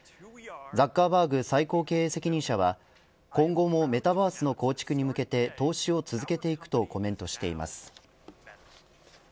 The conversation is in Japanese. ザッカーバーグ最高経営責任者は今後もメタバースの構築に向けて投資を続けていくとコメントしています。